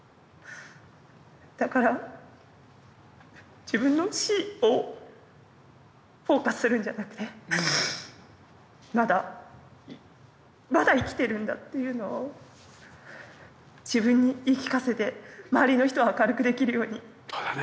だから自分の死をフォーカスするんじゃなくてまだまだ生きてるんだというのを自分に言い聞かせて周りの人を明るくできるように。